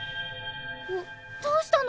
んどうしたの？